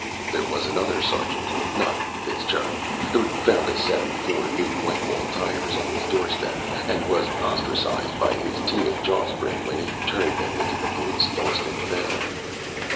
There was another sergeant not Fitzgerald who'd found a set of four new white walls tires on his doorstep, and was ostracized by his teen age offspring when he turned them into the police Lost and Found.